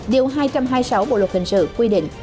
điều hai trăm hai mươi sáu bộ luật hình sự quy định